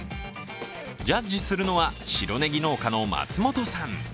ジャッジするのは白ねぎ農家の松本さん。